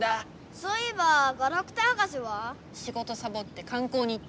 そういえばガラクタ博士は？しごとサボってかん光に行った。